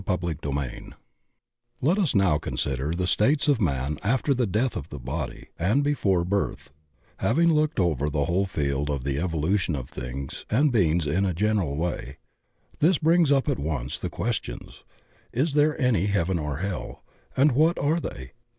CHAPTER Xn 1ET us now consider the states of man after the death of the body and before birth, having looked ' over the whole field of the evolution of things and beings in a general way. This brings up at once the questions: Is there any heaven or hell, and what are they?